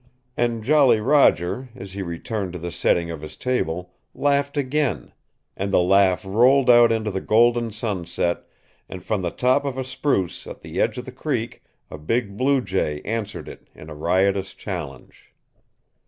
And Jolly Roger, as he returned to the setting of his table, laughed again and the laugh rolled out into the golden sunset, and from the top of a spruce at the edge of the creek a big blue jay answered it in a riotous challenge.